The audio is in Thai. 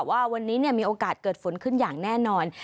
ว่าวันนี้มีโอกาสเกิดฝนขึ้นอย่างแน่นอน